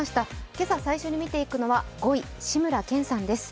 今朝最初に見ていくのは５位、志村けんさんです。